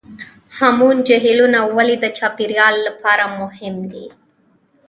هامون جهیلونه ولې د چاپیریال لپاره مهم دي؟